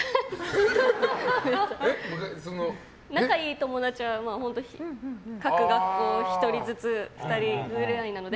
仲がいい友達は各学校１人か２人ぐらいなので。